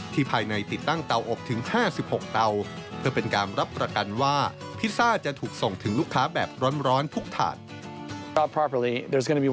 ภายในติดตั้งเตาอบถึง๕๖เตาเพื่อเป็นการรับประกันว่าพิซซ่าจะถูกส่งถึงลูกค้าแบบร้อนทุกถาด